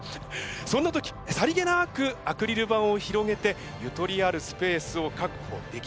そんな時さりげなくアクリル板を広げてゆとりあるスペースを確保できるか？